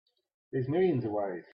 There's millions of ways.